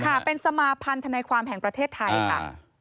ค่ะเป็นสมาพันธนาความแห่งประเทศไทยค่ะ